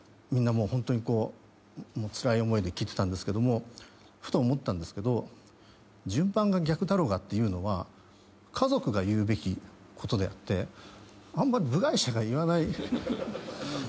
みんなホントにつらい思いで聞いてたんですけどもふと思ったんですけど「順番が逆だろうが」っていうのは家族が言うべきことであってあんまり部外者が言わない。